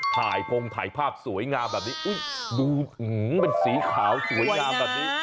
พงถ่ายภาพสวยงามแบบนี้ดูเป็นสีขาวสวยงามแบบนี้